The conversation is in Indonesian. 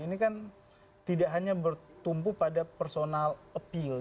ini kan tidak hanya bertumpu pada personal appeal